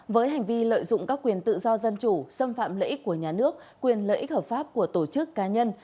với hành vi lợi dụng các quyền tự do dân chủ xâm phạm lợi ích của nhà nước quyền lợi ích hợp pháp của tổ chức cá nhân